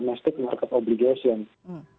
ini terulang lagi di sawit gitu maaf